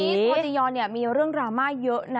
ตัวจียอนเนี่ยมีเรื่องดราม่าเยอะนะ